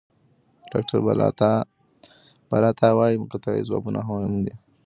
ډاکټر بالاتا وايي قطعي ځوابونه مهم دي.